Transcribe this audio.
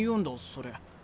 それ。